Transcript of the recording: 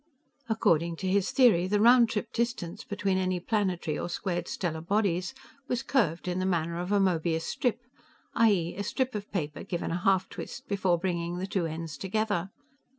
According to his theory, the round trip distance between any two planetary or ²stella bodies was curved in the manner of a Möbius strip i.e., a strip of paper given a half twist before bringing the two ends together.